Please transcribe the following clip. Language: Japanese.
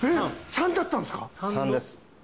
３だったんですか？